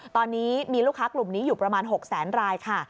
ตอนนี้มีลูกค้ากลุ่มนี้อยู่ประมาณ๖แสนรายค่ะ